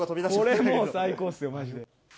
これもう最高ですよ、まじで。